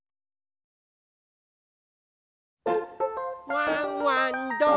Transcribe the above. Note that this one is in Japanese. ワンワンどこだ？